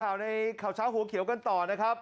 ข่าวในข่าวเช้าหัวเขียวกันต่อนะครับ